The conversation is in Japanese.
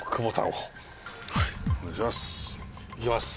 お願いします！